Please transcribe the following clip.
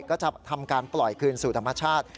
ก็จะทำการปล่อยคืนสู่ธรรมชาติ